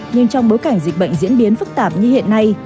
nhưng trong bối cảnh dịch bệnh diễn biến phức tạp như hiện nay